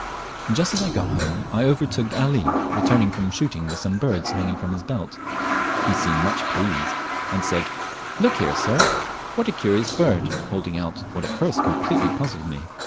Just as I got home I overtook Ali returning from shooting with some birch hanging from his belt. He seemed much pleased, and said, "Look here, sir, what a curious bird," holding out what at first completely puzzled me.